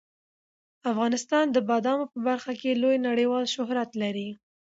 افغانستان د بادامو په برخه کې لوی نړیوال شهرت لري.